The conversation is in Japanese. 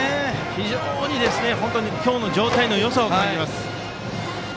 非常に今日の状態のよさを感じます。